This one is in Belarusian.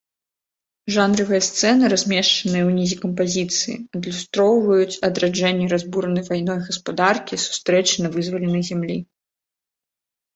Жанравыя сцэны, размешчаныя ўнізе кампазіцыі, адлюстроўваюць адраджэнне разбуранай вайной гаспадаркі, сустрэчы на вызваленай зямлі.